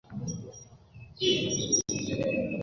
সে অনেক খায়।